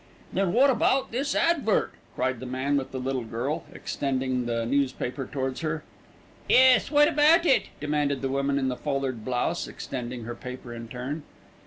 "Then wot about this advert?" cried the man with the little girl, extending the newspaper towards her. "Yes, wot about it?" demanded the woman in the foulard blouse, extending her paper in turn.